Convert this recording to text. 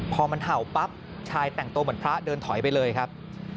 พอมันเห่าปั๊บชายแต่งตัวเหมือนพระเดินถอยไปเลยครับ